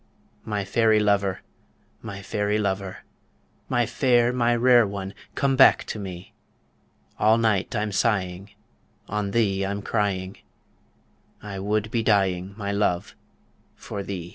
My fairy lover, my fairy lover, My fair, my rare one, come back to me All night I'm sighing, on thee I'm crying, I would be dying, my love, for thee.